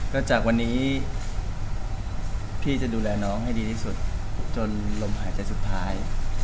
ก็จากวันนี้พี่จะดูแลน้องให้ดีที่สุดจนลมหายใจสุดท้าย